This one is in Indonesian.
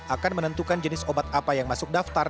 akan menentukan jenis obat apa yang masuk daftar